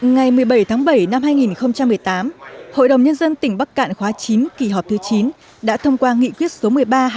ngày một mươi bảy tháng bảy năm hai nghìn một mươi tám hội đồng nhân dân tỉnh bắc cạn khóa chín kỳ họp thứ chín đã thông qua nghị quyết số một mươi ba hai nghìn một